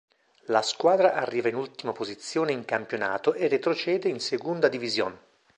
La squadra arriva in ultima posizione in campionato e retrocede in Segunda División.